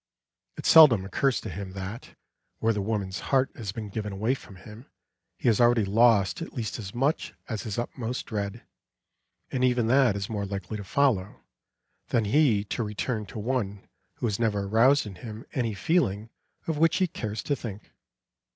It seldom occurs to him that, where the woman's heart has been given away from him, he has already lost at least as much as his utmost dread; and even that is more likely to follow, than he to return to one who has never aroused in him any feeling of which he cares to think.